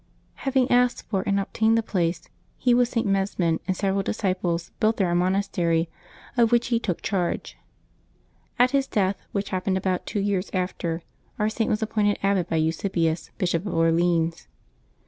Having asked for and obtained the place, he with Mesmin and several disciples built there a monastery, of which he took charge. At his death, which happened about two years after, our Saint was appointed abbot by Eusebius, Bishop of Orleans.